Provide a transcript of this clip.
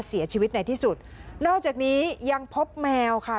เสียชีวิตในที่สุดนอกจากนี้ยังพบแมวค่ะ